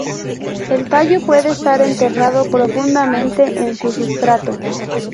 El tallo puede estar enterrado profundamente en su sustrato.